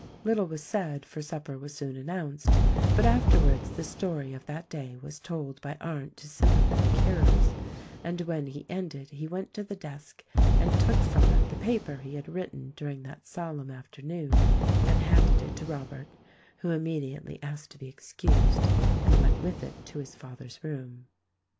Little was said, for sup per was soon announced ; but afterwards the story of that day was told by Arndt to sympathetic hearers, and when he ended he went to the desk and took from it the paper he had written during that solemn afternoon and handed it to Rob ert, who immediately asked to be excused and went with it to his father's room.